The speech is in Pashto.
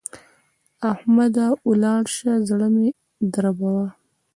احمده! ولاړ شه؛ زړه مه دربوه.